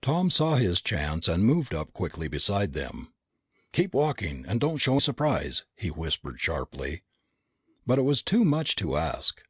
Tom saw his chance and moved up quickly beside them. "Keep walking and don't show surprise!" he whispered sharply. But it was too much to ask.